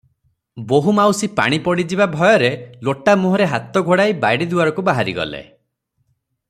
ବୋହୂମାଉସୀ ପାଣି ପଡ଼ିଯିବା ଭୟରେ ଲୋଟା ମୁହଁରେ ହାତ ଘୋଡ଼ାଇ ବାଡ଼ି ଦୁଆରକୁ ବାହାରିଗଲେ ।